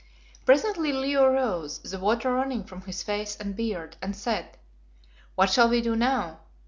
Presently Leo rose, the water running from his face and beard, and said "What shall we do now?